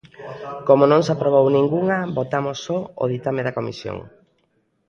Como non se aprobou ningunha, votamos só o ditame da comisión.